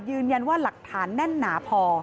ยืนยันว่าหลักฐานแน่นหนาพอ